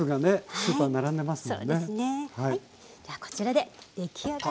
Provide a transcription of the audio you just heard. じゃあこちらで出来上がりです。